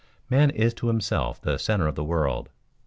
_ Man is to himself the center of the world.